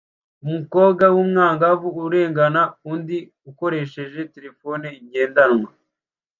Umukobwa w'umwangavu arengana undi akoresheje terefone ngendanwa